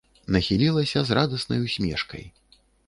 Нахілілася з радаснай усмешкай.